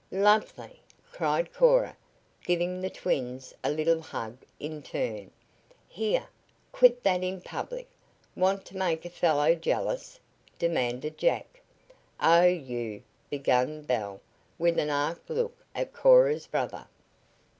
"Lovely!" cried Cora, giving the twins a little hug in turn. "Here, quit that in public. Want to make a fellow jealous?" demanded Jack. "Oh you " began Belle with an arch look at Cora's brother.